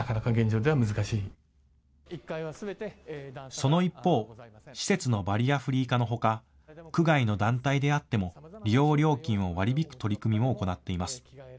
その一方、施設のバリアフリー化のほか区外の団体であっても利用料金を割り引く取り組みも行っています。